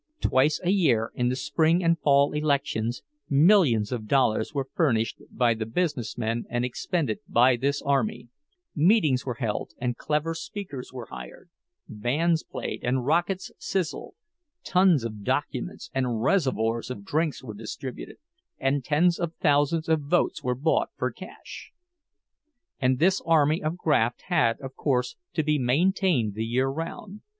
Twice a year, in the spring and fall elections, millions of dollars were furnished by the business men and expended by this army; meetings were held and clever speakers were hired, bands played and rockets sizzled, tons of documents and reservoirs of drinks were distributed, and tens of thousands of votes were bought for cash. And this army of graft had, of course, to be maintained the year round.